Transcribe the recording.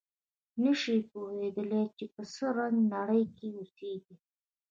نه شي پوهېدای چې په څه رنګه نړۍ کې اوسېږي.